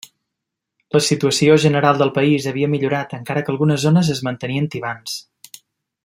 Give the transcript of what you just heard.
La situació general del país havia millorat encara que algunes zones es mantenien tibants.